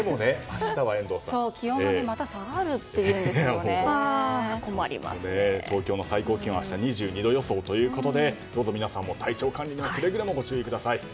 気温が東京の最高気温、明日は２２度予想ということでどうぞ皆さん、体調管理にはくれぐれもご注意ください。